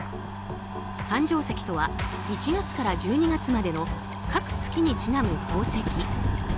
誕生石とは１月から１２月までの各月にちなむ宝石。